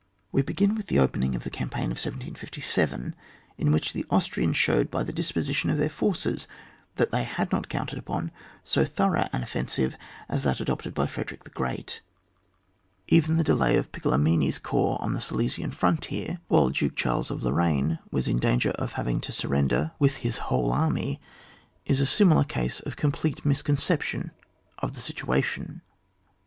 We beg^ with the opening of the campaign of 1757, in which the Austrians showed by the disposition of their forces tliat they had not counted upon so thorough an offensive as that adopted by Frederick the Great; even the delay of Piccolo* CHiLP. XXX.] A DEFENCE OF A THEATRE OF WAR. 209 mini's corps on the Silesian frontier while Duke Charles of Lorraine was in danger of haying to surrender with his whole army, is a similar case of complete misconception of the situation.